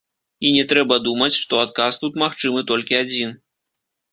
І не трэба думаць, што адказ тут магчымы толькі адзін.